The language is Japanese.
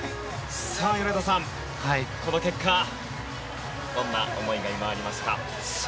米田さん、この結果どんな思いが今ありますか？